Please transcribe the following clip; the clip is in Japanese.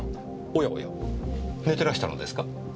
おやおや寝てらしたのですか？